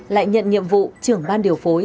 lại nhận nhiệm vụ trưởng ban điều phối